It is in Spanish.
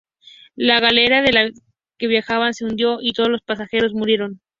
La galera en la que viajaban se hundió y todos los pasajeros murieron.